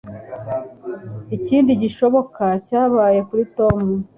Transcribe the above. Ikindi gishoboka cyabaye kuri Tom